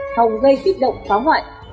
không gây tích động phá hoại